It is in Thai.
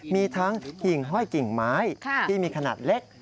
มีทั้งกิ่งห้อยกิ่งไม้ที่มีขนาดเล็ก